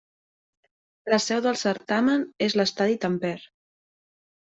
La seu del certamen és l'Estadi Tampere.